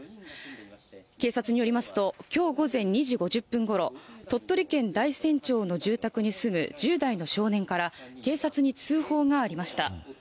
警察によりますと、きょう午前２時５０分ごろ、鳥取県大山町の住宅に住む１０代の少年から、警察に通報がありました。